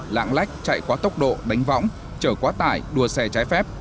lãng lách chạy quá tốc độ đánh võng chở quá tải đua xe trái phép